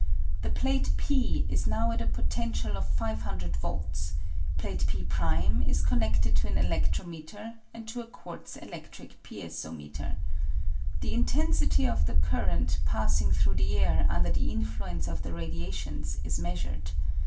The plate 1' is now at a potential of 500 volts, plate i'' is conneded to an eledrometer and to a quartz eledric piezometer. The intensity of the current passing through the air under the influence of the radiations is measured.